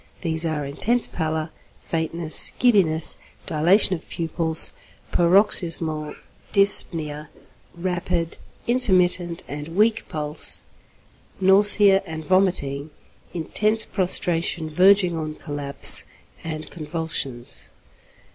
These are intense pallor, faintness, giddiness, dilatation of pupils, paroxysmal dyspnoea, rapid, intermittent, and weak pulse, nausea and vomiting, intense prostration verging on collapse, and convulsions.